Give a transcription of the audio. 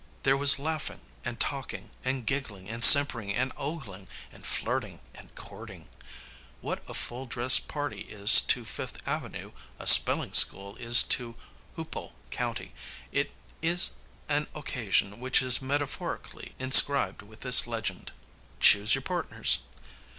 There was laughing, and talking, and giggling, and simpering, and ogling, and flirting, and courting. What a full dress party is to Fifth Avenue, a spelling school is to Hoopole County. It is an occasion which is metaphorically inscribed with this legend: "Choose your partners."